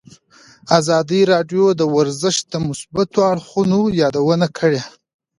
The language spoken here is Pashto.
ازادي راډیو د ورزش د مثبتو اړخونو یادونه کړې.